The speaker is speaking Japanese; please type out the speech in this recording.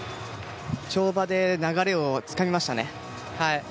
跳馬で流れをつかみましたね。